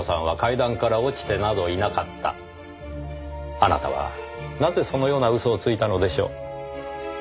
あなたはなぜそのような嘘をついたのでしょう？